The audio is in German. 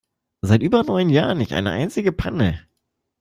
Seit über neun Jahren nicht eine einzige Panne.